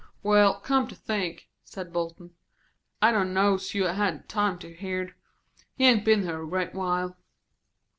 "Well, come to think," said Bolton; "I don't know's you'd had time to heard. He hain't been here a great while."